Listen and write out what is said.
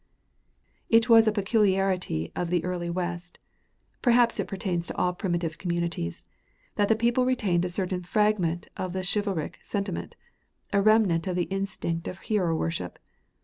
It was a peculiarity of the early West perhaps it pertains to all primitive communities that the people retained a certain fragment of the chivalric sentiment, a remnant of the instinct of hero worship.